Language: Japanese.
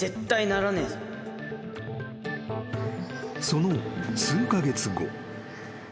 ［その数カ月後］